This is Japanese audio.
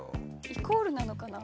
イコールなのかな？